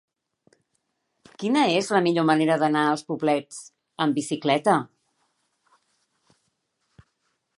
Quina és la millor manera d'anar als Poblets amb bicicleta?